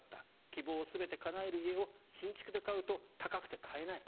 希望を全てかなえる家を新築で買うと高くて買えない。